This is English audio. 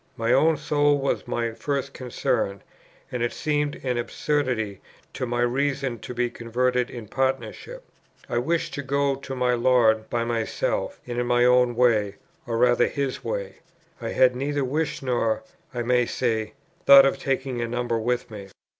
My own soul was my first concern, and it seemed an absurdity to my reason to be converted in partnership. I wished to go to my Lord by myself, and in my own way, or rather His way. I had neither wish, nor, I may say, thought of taking a number with me.